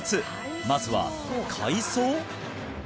まずは海藻？